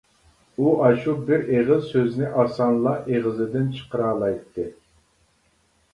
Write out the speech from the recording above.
ئۇ ئاشۇ بىر ئېغىز سۆزنى ئاسانلا ئېغىزىدىن چىقىرالايتتى.